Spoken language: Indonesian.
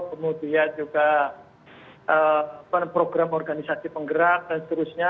kemudian juga program organisasi penggerak dan seterusnya